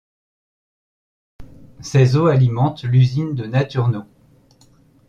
Ses eaux alimentent l'usine de Naturno.